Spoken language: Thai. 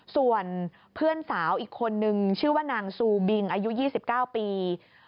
ส่วนเพื่อนสาวอีกคนนึงชื่อว่านางซูบิงอายุ๒๙ปี